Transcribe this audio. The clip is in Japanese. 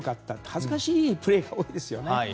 恥ずかしいプレーが多いですよね。